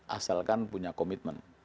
asalkan punya komitmen